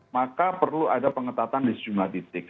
maka perlu ada pengetatan di sejumlah titik